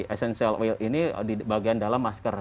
esensial oil ini di bagian dalam masker